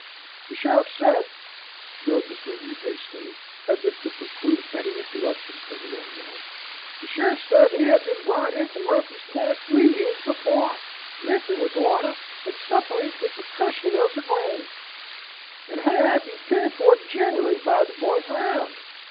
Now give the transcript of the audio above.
"The sheriff said," Bill continued hastily, as if to preclude any interruption from the young man, "the sheriff said he had been brought into Murphy's Camp three years before, dripping with water, and sufferin' from perkussion of the brain, and had been cared for generally by the boys 'round.